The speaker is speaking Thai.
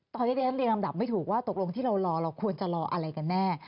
ตอนนี้ก็จะเรียนอำดับไม่ถูกว่าตกลงที่เราหลอกูลจะหลอกันแน่